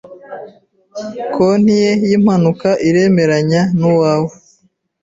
Konti ye yimpanuka iremeranya nuwawe.